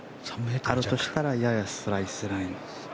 あるとしたらややスライスライン。